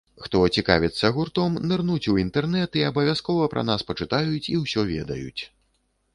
Хто цікавіцца гуртом, нырнуць у інтэрнэт і абавязкова пра нас пачытаюць і ўсё ведаюць.